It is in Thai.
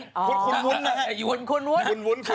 นางก็เหนื่อยแล้วละจะต้องมานั่งตอบกะ